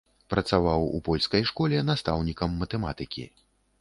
Працаваў у польскай школе настаўнікам матэматыкі.